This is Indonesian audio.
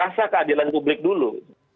kasar keadilan publik dulu